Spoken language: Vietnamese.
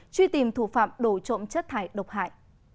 truy tìm thủ phạm đổ trộm chất thải độc hại